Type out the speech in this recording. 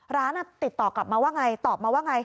ร้านติดต่อกลับมาว่าไงตอบมาว่าไง